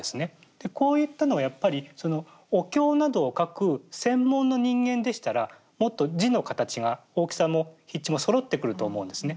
でこういったのはやっぱりお経などを書く専門の人間でしたらもっと字の形が大きさも筆致もそろってくると思うんですね。